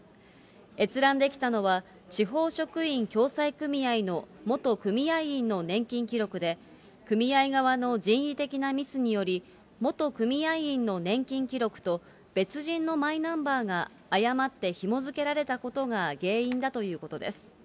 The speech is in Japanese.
閲覧できたのは、地方職員共済組合の元組合員の年金記録で、組合側の人為的なミスにより、元組合員の年金記録と、別人のマイナンバーが誤ってひも付けられたことが原因だということです。